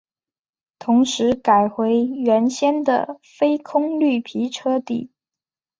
同时改回原先的非空绿皮车底。